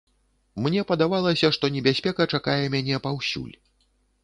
Мне падавалася, што небяспека чакае мяне паўсюль.